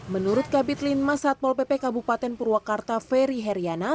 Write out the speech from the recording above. menurut kabit linmas satpol ppkm purwakarta ferry heriana